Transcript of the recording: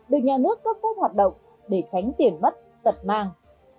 được nhà nước cấp phép hoạt động để tránh tiền mất tật mang